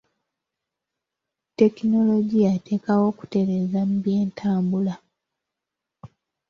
Tekinologiya ateekawo okutereeza mu by'entambula.